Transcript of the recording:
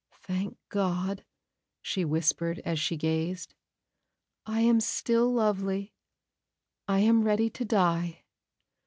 "Thank God," she whispered, as she gazed, "I am still lovely! I am ready to die."